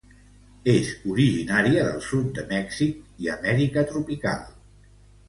És originària del sud de Mèxic i Amèrica tropical.